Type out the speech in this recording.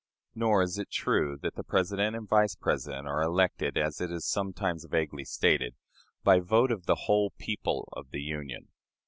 Nor is it true that the President and Vice President are elected, as it is sometimes vaguely stated, by vote of the "whole people" of the Union.